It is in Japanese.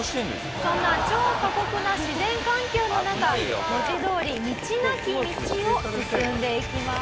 そんな超過酷な自然環境の中文字どおり道なき道を進んでいきます。